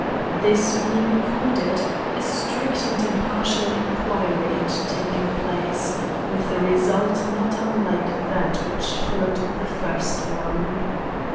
This being accorded, a strict and impartial inquiry had taken place, with a result not unlike that which followed the first one.